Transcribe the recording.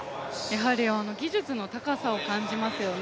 やはり技術の高さを感じますよね。